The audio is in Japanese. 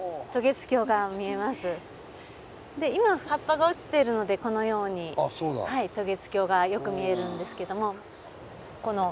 今葉っぱが落ちているのでこのように渡月橋がよく見えるんですけども。